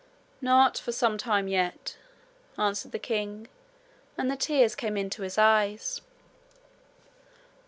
'Not for some time yet,' answered the king, and the tears came into his eyes.